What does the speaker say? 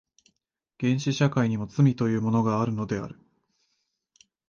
原始社会にも罪というものがあるのである。